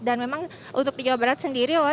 dan memang untuk di jawa barat sendiri loh